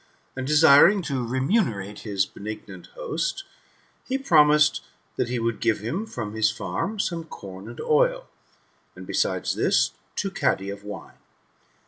and desiring to remunerate his benignant host, he {M omised that he would give him from his farm some com and oil, and, besides this, two cadi of wine.